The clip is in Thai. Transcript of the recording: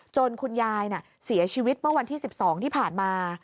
คุณยายเสียชีวิตเมื่อวันที่๑๒ที่ผ่านมา